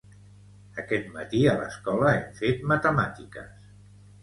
Aquest matí a l'escola hem fet matemàtiques.